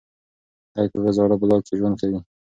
دی په یوه زاړه بلاک کې ژوند کوي.